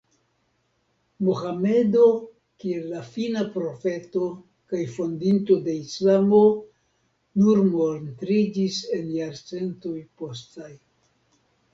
Mohamedo kiel la Fina Profeto kaj fondinto de islamo nur montriĝis en jarcentoj postaj.